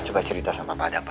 coba cerita sama papa ada apa